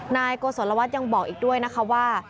นายโกศลวัฒน์ยังบอกอีกด้วยนะคะว่า